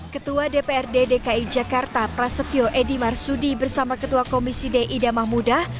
ketua dprd dki jakarta prasetyo edi marsudi bersama ketua komisi d ida mahmudah